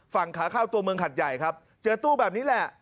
ฝั่งขาเข้าตัวเมืองหัดใหญ่ครับเจอตู้แบบนี้แหละ